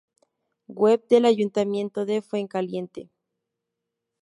Web del Ayuntamiento de Fuencaliente